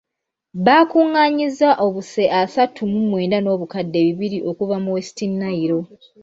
Baakungaanyizza obuse asatu mu mwenda n'obukadde bibiri okuva mu West Nile.